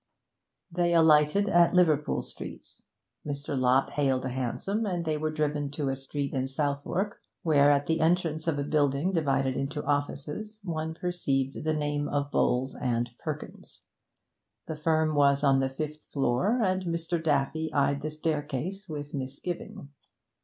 They alighted at Liverpool Street. Mr. Lott hailed a hansom, and they were driven to a street in Southwark, where, at the entrance of a building divided into offices, one perceived the name of Bowles and Perkins. This firm was on the fifth floor, and Mr. Daffy eyed the staircase with misgiving.